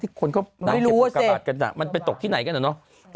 ที่คนเขาปั๊ดพูดกันมันไปตกที่ไหนกันอ่ะนะ